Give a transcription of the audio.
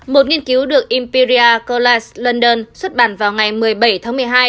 một nghiên cứu được imperial college london xuất bản vào ngày một mươi bảy tháng một mươi hai